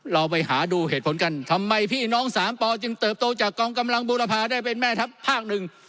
เราไปหาดูเหตุผลกันทำไมพี่น้องสามปอจึงเติบโตจากกองกำลังบูรพาได้เป็นแม่ทัพภาคหนึ่ง